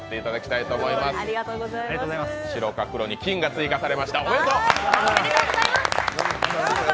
白か黒に金が追加されました。